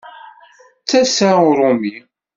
D tasa uṛumi!